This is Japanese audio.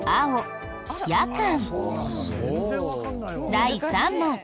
第３問。